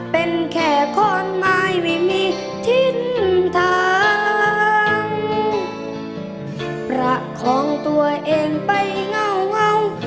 เป็นแค่ข้อนหมายไม่มีทิ้นทางประของตัวเองไปเงา